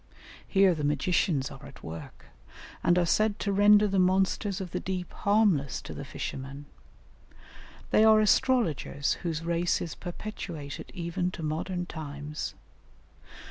Here the magicians are at work, and are said to render the monsters of the deep harmless to the fishermen; they are astrologers whose race is perpetuated even to modern times.